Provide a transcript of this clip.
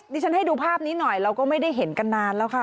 ฉันให้ดูภาพนี้หน่อยเราก็ไม่ได้เห็นกันนานแล้วค่ะ